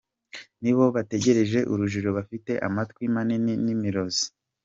Nibo se bateje urujijo bafite amatwi manini n’imirizo?